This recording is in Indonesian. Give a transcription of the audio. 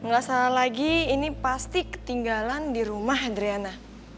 nggak salah lagi ini pasti ketinggalan di rumah adriana